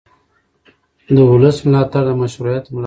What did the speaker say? د ولس ملاتړ د مشروعیت ملا ده